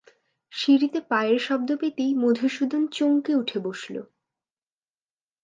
সিঁড়িতে পায়ের শব্দ পেতেই মধুসূদন চমকে উঠে বসল।